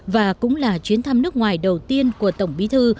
và cũng là chuyến thăm nước ngoài đầu tiên của tổng bí thư